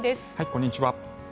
こんにちは。